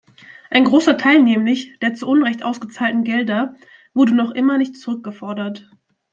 Ein großer Teil nämlich der zu Unrecht ausgezahlten Gelder wurde noch immer nicht zurückgefordert.